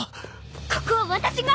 ここは私が！